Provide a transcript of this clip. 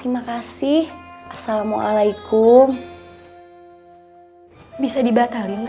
maknya keren banget